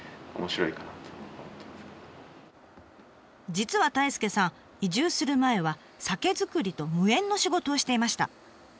実は太亮さん移住する前は酒造りと無縁の仕事をしていました。